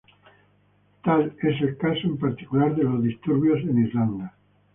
Tal es el caso, en particular, de los disturbios en Irlanda.